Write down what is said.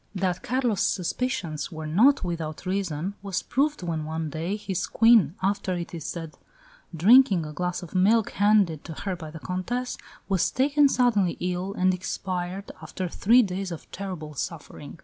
That Carlos' suspicions were not without reason was proved when one day his Queen, after, it is said, drinking a glass of milk handed to her by the Comtesse, was taken suddenly ill and expired after three days of terrible suffering.